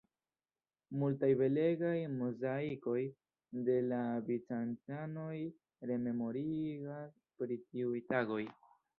Multaj belegaj mozaikoj de la bizancanoj rememorigas pri tiuj tagoj.